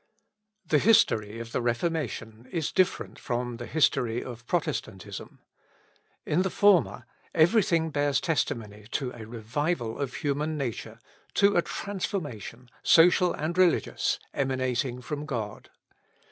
The history of the Reformation is different from the history of Protestantism. In the former, every thing bears testimony to a revival of human nature, to a transformation, social and religious, emanating from God.